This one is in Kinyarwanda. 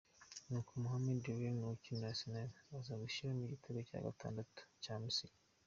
Nuko Mohamed Elneny ukinira na Arsenal aza gushyiramo igitego cya gatandatu cya Misiri.